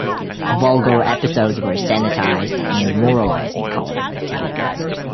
Vulgar episodes were sanitized and moralizing coloured the tale.